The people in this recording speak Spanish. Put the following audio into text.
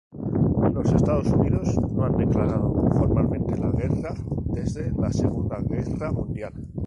Los Estados Unidos no han declarado formalmente la guerra desde la Segunda Guerra Mundial.